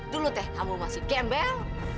dulu teh kamu masih gembel